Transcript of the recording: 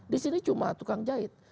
di sini cuma tukang jahit